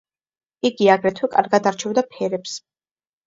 იგი აგრეთვე კარგად არჩევდა ფერებს.